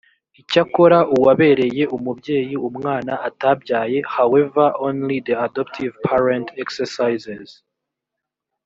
icyakora uwabereye umubyeyi umwana atabyaye however only the adoptive parent exercises